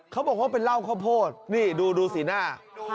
เขาบอกว่าเป็นเหล้าข้าวโพดนี่ดูสีหน้า